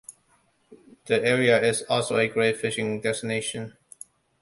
The area is also a great fishing destination.